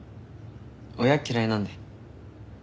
親嫌いなんで。